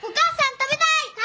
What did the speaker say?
食べたーい！